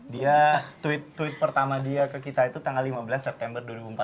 dia tweet tweet pertama dia ke kita itu tanggal lima belas september dua ribu empat belas